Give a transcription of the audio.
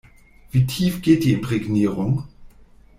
Wie tief geht die Imprägnierung?